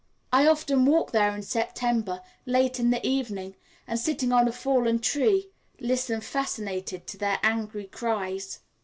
I often walk there in September, late in the evening, and sitting on a fallen tree listen fascinated to their angry cries.